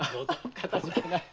かたじけない。